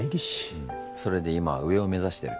うんそれで今は上を目指してる。